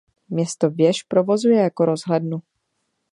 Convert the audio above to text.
Město věž provozuje jako rozhlednu.